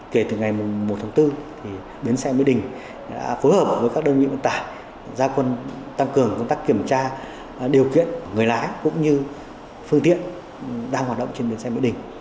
kể từ ngày một tháng bốn bến xe mỹ đình đã phối hợp với các đơn vị vận tải gia quân tăng cường công tác kiểm tra điều kiện người lái cũng như phương tiện đang hoạt động trên bến xe mỹ đình